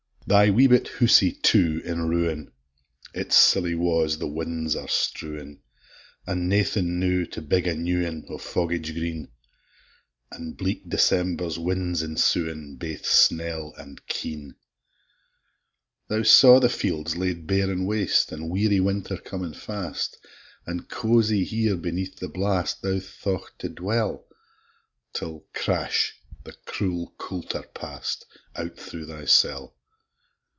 Thy wee bit housie, too, in ruin; Its silly wa's the win's are strewin'! An' naething, now, to big a new ane, O' foggage green! An' bleak December's winds ensuin', Baith snell and keen! Thou saw the fields laid bare an' waste, An' weary winter comin' fast, An' cozie here, beneath the blast, Thou thought to dwell, 'Till, crash! the cruel coulter past Out thro' thy cell.